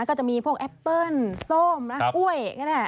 ก็จะมีพวกแอปเปิ้ลส้มนะกล้วยก็ได้